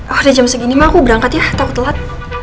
oh ada jam segini mah aku berangkat ya takut telat